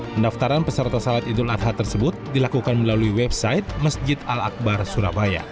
pendaftaran peserta salat idul adha tersebut dilakukan melalui website masjid al akbar surabaya